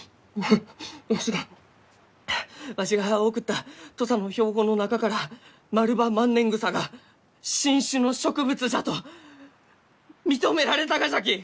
わわしがわしが送った土佐の標本の中からマルバマンネングサが新種の植物じゃと認められたがじゃき！